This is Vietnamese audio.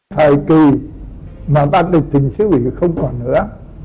thời kỳ mà ban bịch tỉnh sứ quỷ không còn nữa